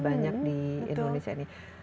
banyak di indonesia ini